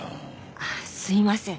あっすいません。